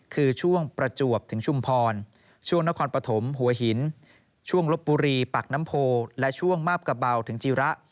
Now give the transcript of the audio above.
คือช่วงประจวบถึงชุมพรช่วงนครปฐมหัวหินช่วงลบบุรีปากน้ำโพและช่วงมาบกระเบาถึงจีระ